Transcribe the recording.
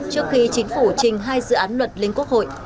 trước khi chính phủ trình hai dự án luật lên quốc hội